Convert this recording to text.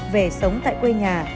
về sống tại quê nhà